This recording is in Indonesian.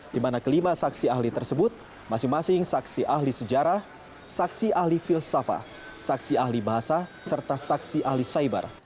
di mana kelima saksi ahli tersebut masing masing saksi ahli sejarah saksi ahli filsafah saksi ahli bahasa serta saksi ahli saibar